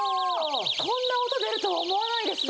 こんな音出るとは思わないですね。